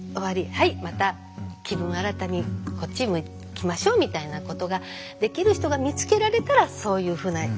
はいまた気分新たにこっち向きましょう」みたいなことができる人が見つけられたらそういうふうな関係を。